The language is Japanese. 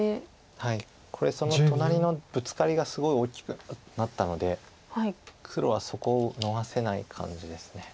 これその隣のブツカリがすごい大きくなったので黒はそこを逃せない感じです。